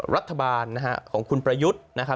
รัฐบาลของคุณประยุทธ์